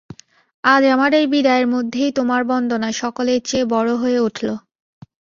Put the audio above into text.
আজ আমার এই বিদায়ের মধ্যেই তোমার বন্দনা সকলের চেয়ে বড়ো হয়ে উঠল।